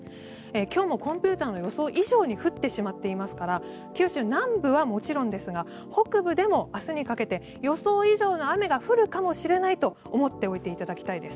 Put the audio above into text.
今日もコンピューターの予想以上に降ってしまっていますから九州南部はもちろんですが北部でも明日にかけて予想以上の雨が降るかもしれないと思っておいていただきたいです。